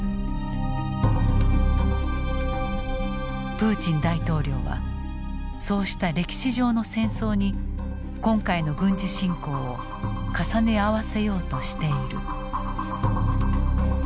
プーチン大統領はそうした歴史上の戦争に今回の軍事侵攻を重ね合わせようとしている。